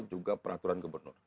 juga peraturan gubernur